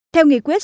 theo nghị quyết